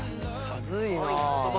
はずいな。